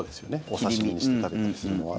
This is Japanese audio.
お刺し身にして食べたりするのは。